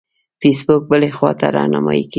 فیسبوک بلې خواته رهنمایي کوي.